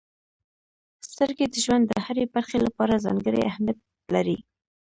•سترګې د ژوند د هرې برخې لپاره ځانګړې اهمیت لري.